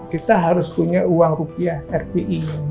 kita harus punya uang rupiah fpi